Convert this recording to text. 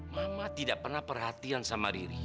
mama tidak pernah perhatian sama diri